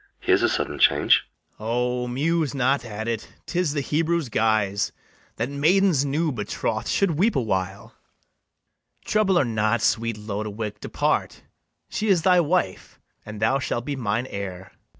here's a sudden change. BARABAS. O, muse not at it; 'tis the Hebrews' guise, That maidens new betroth'd should weep a while: Trouble her not; sweet Lodowick, depart: She is thy wife, and thou shalt be mine heir.